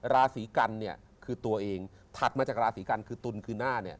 ราศีกัณฑ์คือตัวเองถัดมาจากราศีกัณฑ์คือตุลคือหน้า